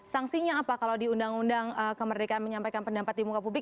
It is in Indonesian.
sanksinya apa kalau di undang undang kemerdekaan menyampaikan pendapat di muka publik